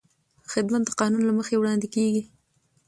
خدمت د قانون له مخې وړاندې کېږي.